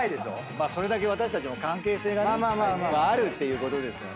それだけ私たちも関係性がねあるっていうことですよね。